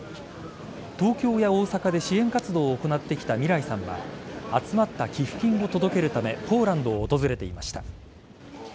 東京や大阪で支援活動を行ってきた望莱さんは集まった寄付金を届けるためポーランドを訪れていました。